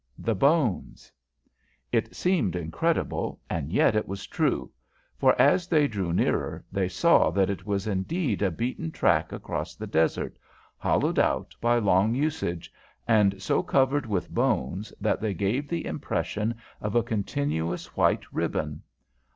"The bones." It seemed incredible, and yet it was true, for as they drew nearer they saw that it was indeed a beaten track across the desert, hollowed out by long usage, and so covered with bones that they gave the impression of a continuous white ribbon.